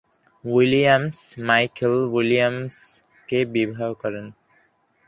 Williams Michael Williams কে বিবাহ করেন।